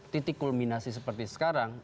titik kulminasi seperti sekarang